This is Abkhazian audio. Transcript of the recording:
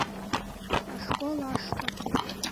Ашкол ашҭа!